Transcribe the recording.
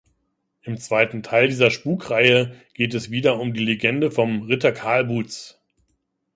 Im zweiten Teil dieser Spuk-Reihe geht es wieder um die Legende von „Ritter Kahlbutz“.